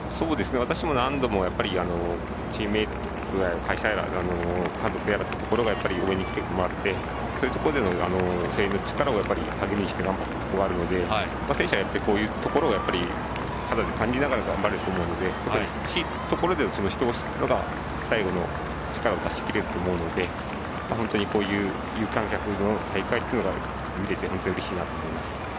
私も何度もチームメートや会社や、家族に応援に来てもらってそういうところでの声援の力を励みにして頑張っていたところがあるので選手はこういうところを肌で感じながら頑張れると思うので特に苦しいところで一押しっていうのが最後の力を出しきれると思うので有観客の大会っていうのが見れて本当にうれしいと思います。